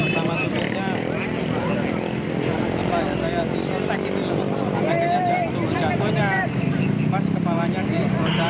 sama sepenuhnya yang lainnya jatuh jatuhnya pas kepalanya di kota